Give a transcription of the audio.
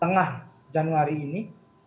tengah januari ini